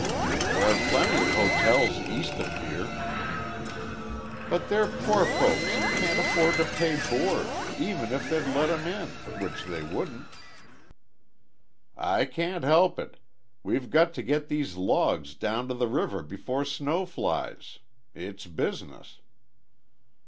"There are plenty of hotels east of here." "But they're poor folks an' can't afford to pay board, even if they'd let 'em in, which they wouldn't." "I can't help it we've got to get these logs down to the river before snow flies it's business."